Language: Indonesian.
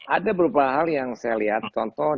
ada beberapa hal yang saya lihat contoh